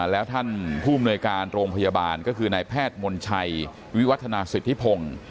แล้วท่านผู้อำนวยการโรงพยาบาลก็คือนายแพทย์มนชัยวิวัฒนาสิทธิพงศ์